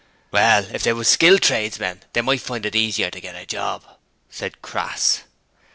'Well, if they was skilled tradesmen, they might find it easier to get a job,' said Crass.